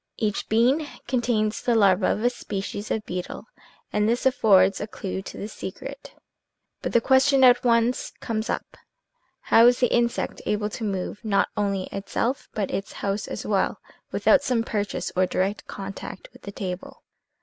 Each bean contains the larva of a species of beetle and this af fords a clue to the secret. But the question at once comes up :" How is the insect able to move, not only itself, but its house as well, without some purchase or direct contact with the table?"